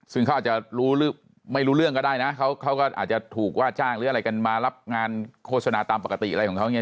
ซึ่งเขาอาจจะไม่รู้เรื่องก็ได้นะเขาก็อาจจะถูกว่าจ้างหรืออะไรกันมารับงานโฆษณาตามปกติใช่ไหม